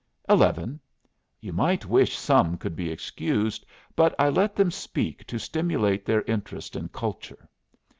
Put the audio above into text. "Eleven. You might wish some could be excused. But I let them speak to stimulate their interest in culture.